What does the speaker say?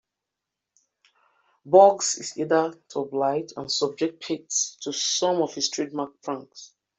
Bugs is eager to oblige, and subjects Pete to some of his trademark pranks.